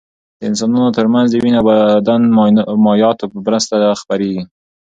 د انسانانو تر منځ د وینې او بدن مایعاتو په مرسته خپرېږي.